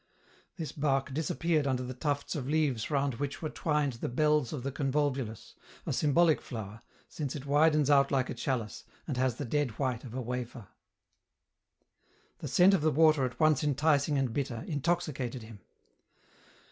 This bark disap peared under the tufts of leaves round which were twined the bells of the convolvulus, a symbolic flower, since it widens out like a chalice, and has the dead white of a wafer. The scent of the water, at once enticing and bitter, intoxicated him.